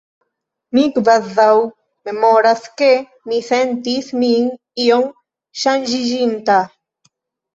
Mi kvazaŭ memoras ke mi sentis min iom ŝanĝiĝinta.